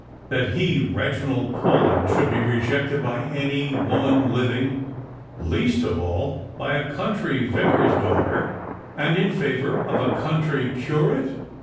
That he, Reginald Paulyn, should be rejected by any woman living, least of all by a country vicar'a daaghter, and in favour of a country curate